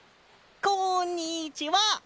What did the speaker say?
こんにちは！